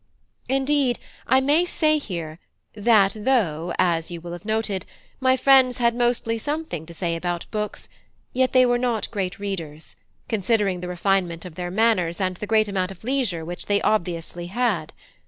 Indeed, I may say here, that, though, as you will have noted, my friends had mostly something to say about books, yet they were not great readers, considering the refinement of their manners and the great amount of leisure which they obviously had.